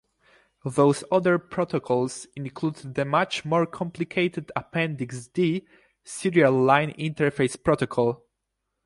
Those other protocols include the much more complicated appendix D Serial Line Interface Protocol.